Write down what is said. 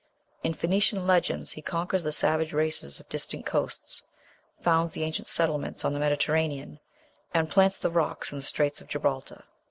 In Phoenician legends he conquers the savage races of distant coasts, founds the ancient settlements on the Mediterranean, and plants the rocks in the Straits of Gibraltar."